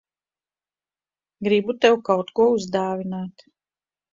Gribu tev kaut ko uzdāvināt.